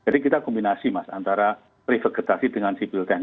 oke jadi kita kombinasi mas antara pre vegetasi dengan sedimen trapping